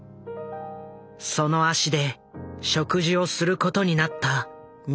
その足で食事をすることになった日韓の遺族たち。